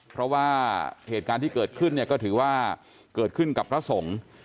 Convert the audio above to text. เพราะว่าเหตุการณ์ที่เกิดขึ้นเนี่ยก็ถือว่าเกิดขึ้นกับพระสงฆ์